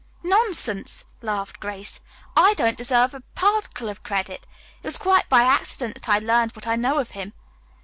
"Nonsense," laughed Grace, "I don't deserve a particle of credit. It was quite by accident that I learned what I know of him."